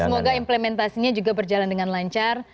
semoga implementasinya juga berjalan dengan lancar